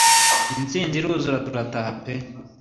intsinzi iruzura tura taha pe